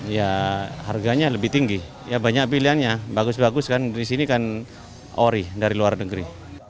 ya harganya lebih tinggi ya banyak pilihannya bagus bagus kan di sini kan ori dari luar negeri